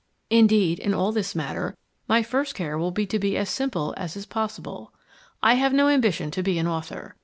Indeed, in all this matter, my first care will be to be as simple as is possible. I have no ambition to be an author.